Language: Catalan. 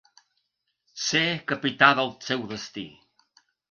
Ser “capità del seu destí”.